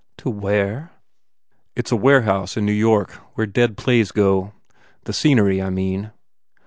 To where?" "It s a warehouse in New York where dead plays go the scenery, I mean."